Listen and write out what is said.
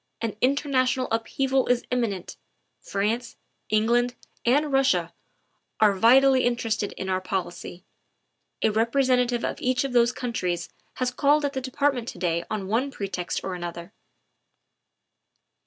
An international upheaval is imminent. France, Eng land, and Russia are vitally interested in our policy; a representative of each of those countries has called at the Department to day on one pretext or another.